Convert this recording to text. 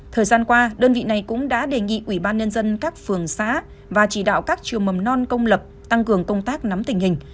thời gian qua đơn vị này cũng đã đề nghị ủy ban nhân dân các phường xã và chỉ đạo các trường mầm non công lập tăng cường công tác nắm tình hình